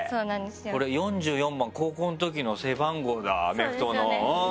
これ４４番高校のときの背番号だアメフトの。